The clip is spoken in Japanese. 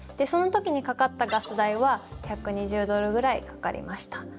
その時にかかったガス代は１２０ドルぐらいかかりました。